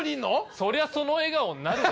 そりゃその笑顔になるわ。